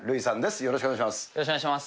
よろしくお願いします。